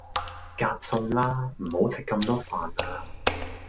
夾餸啦，唔好食咁多飯呀